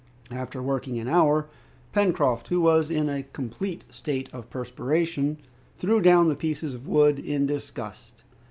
After working an hour, Pencroft, who was in a complete state of perspiration, threw down the pieces of wood in disgust.